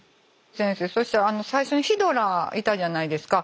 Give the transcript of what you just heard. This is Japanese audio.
先生そしたら最初にヒドラいたじゃないですか。